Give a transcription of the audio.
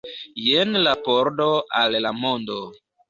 Jen la pordo al la mondo.